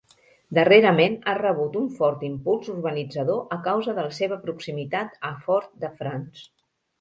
Darrerament ha rebut un fort impuls urbanitzador a causa de la seva proximitat a Fort-de-France.